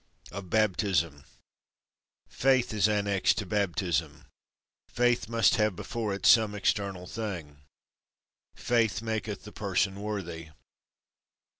Of Baptism. Faith is annexed to Baptism. Faith must have before it some external thing. Faith maketh the person worthy.